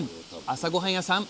朝ごはんやさん